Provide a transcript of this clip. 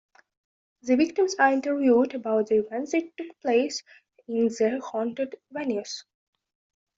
The victims are interviewed about the events that took place in the haunted venues.